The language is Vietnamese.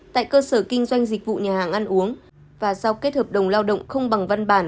tại cơ sở kinh doanh dịch vụ nhà hàng ăn uống và giao kết hợp đồng lao động không bằng văn bản